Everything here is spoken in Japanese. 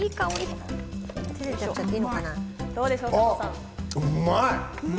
うまい！